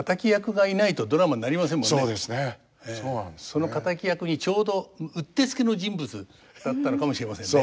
その敵役にちょうどうってつけの人物だったのかもしれませんね。